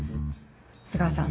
須川さん